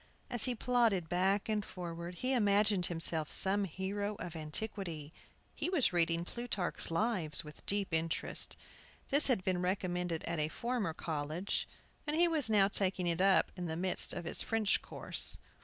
As he plodded back and forward he imagined himself some hero of antiquity. He was reading "Plutarch's Lives" with deep interest. This had been recommended at a former college, and he was now taking it up in the midst of his French course.